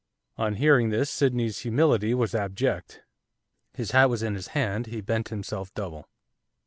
On hearing this Sydney's humility was abject. His hat was in his hand, he bent himself double.